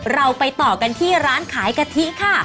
เราไปต่อกันที่ร้านขายกะทิค่ะ